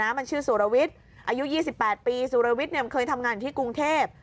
มันชื่อสุรวิทย์อายุ๒๘ปีสุรวิทย์เคยทำงานอยู่ที่กรุงเทพ